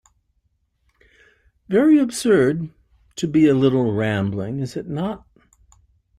Very absurd, to be a little rambling, is it not?